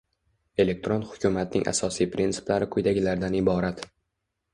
Elektron hukumatning asosiy prinsiplari quyidagilardan iborat: